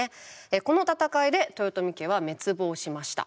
この戦いで豊臣家は滅亡しました。